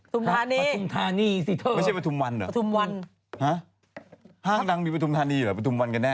ปฐุมธานีสิเถอะปฐุมวันเหรอฮ่ะห้างดังมีปฐุมธานีเหรอปฐุมวันกันแน่